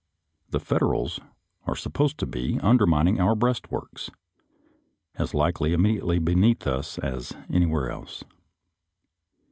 The Federals are supposed to be undermining our breastworks, as likely immediately beneath us as anywhere else.